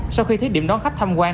sau khi thiết điểm đón khách tham quan